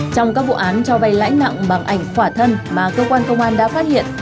trong các vụ án cho vay lãi nặng bằng ảnh quả thân mà cơ quan công an đã phát hiện